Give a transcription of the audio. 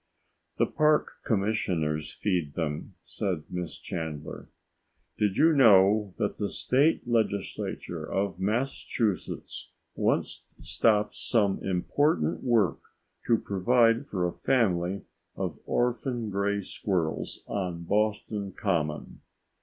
"The park commissioners feed them," said Miss Chandler. "Did you know that the State legislature of Massachusetts once stopped some important work to provide for a family of orphan gray squirrels on Boston Common?"